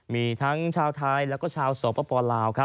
มีทั้งชาวไทยและชาวสวพปลาว